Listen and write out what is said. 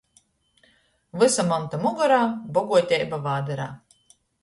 Vysa monta mugorā – boguoteiba vādarā.